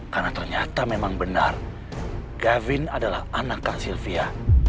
karena ternyata memang benar gavin adalah anak kak sylvia